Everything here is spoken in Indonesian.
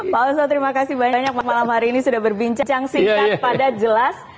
pak ustaz terima kasih banyak malam hari ini sudah berbincang singkat padat jelas